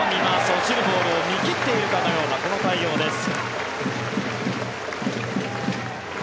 落ちるボールを見切っているかのようなこの対応です。